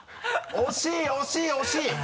惜しい惜しい惜しい！